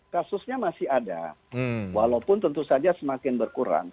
kasusnya masih ada walaupun tentu saja semakin berkurang